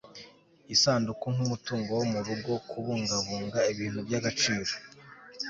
isanduku nk'umutungo wo murugo kubungabunga ibintu by'agaciro